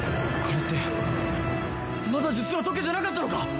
これってまだ術は解けてなかったのか！？